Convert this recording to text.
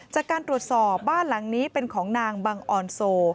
จากการตรวจสอบบ้านหลังนี้เป็นของนางบังออนโซ